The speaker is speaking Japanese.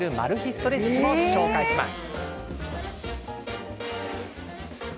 ストレッチも紹介します。